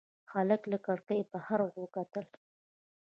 هلک له کړکۍ بهر وکتل.